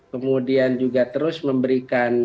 kemudian juga terus memberikan